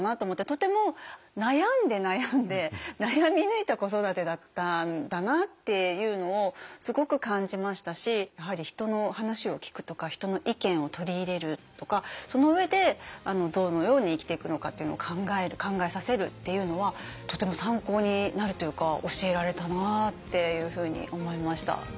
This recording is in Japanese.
とても悩んで悩んで悩み抜いた子育てだったんだなっていうのをすごく感じましたしやはり人の話を聞くとか人の意見を取り入れるとかその上でどのように生きていくのかというのを考える考えさせるっていうのはとても参考になるというか教えられたなっていうふうに思いました。